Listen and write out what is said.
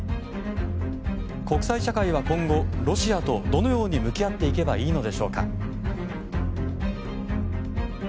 国際社会は今後ロシアとどのように向き合っていけばいいのでしょうか。